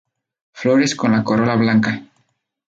Flores con la corola blanca.